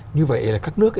như vậy là các nước